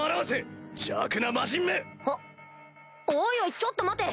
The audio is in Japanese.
おいおいちょっと待て！